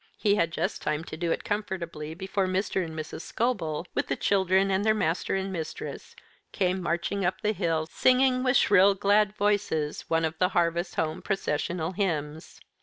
He had just time to do it comfortably before Mr. and Mrs. Scobel, with the children and their master and mistress, came marching up the hill, singing, with shrill glad voices, one of the harvest home processional hymns.